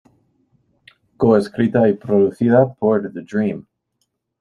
Co-escrita y producida por The Dream.